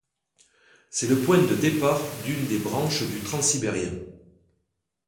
C'est le point de départ d'une des branches du Transsibérien.